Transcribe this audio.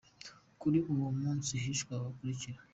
Kuri uwo munsi hishwe aba bakurikira: